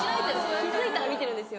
気付いたら見てるんですよ